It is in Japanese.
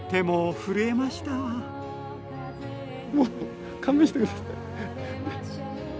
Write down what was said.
もう勘弁して下さい。